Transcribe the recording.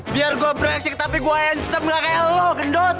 biar gue brengsek tapi gue handsome gak kayak lo gendut